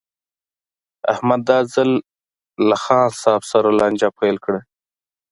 احمد دا ځل له خان صاحب سره لانجه پیل کړه.